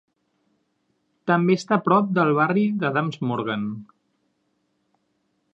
També està a prop del barri d'Adams Morgan.